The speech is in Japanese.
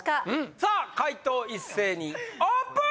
さあ解答一斉にオープン！